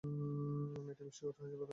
মেয়েটি মিষ্টি করে হেসে বলল, ভালো আছি।